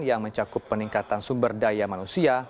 yang mencakup peningkatan sumber daya manusia